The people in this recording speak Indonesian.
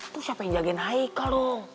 terus siapa yang jagain haikal dong